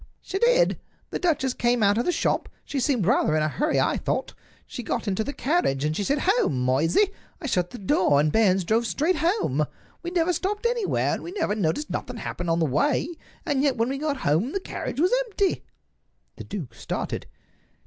"She did. The duchess came out of the shop. She seemed rather in a hurry, I thought. She got into the carriage, and she said, 'Home, Moysey!' I shut the door, and Barnes drove straight home. We never stopped anywhere, and we never noticed nothing happen on the way; and yet when we got home the carriage was empty." The duke started.